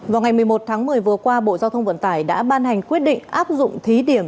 vào ngày một mươi một tháng một mươi vừa qua bộ giao thông vận tải đã ban hành quyết định áp dụng thí điểm